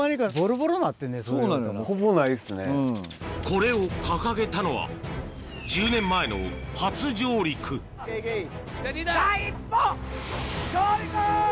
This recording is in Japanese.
これを掲げたのは１０年前の第一歩！